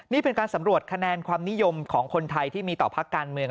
นี่เป็นการสำรวจคะแนนความนิยมของคนไทยที่มีต่อพักการเมือง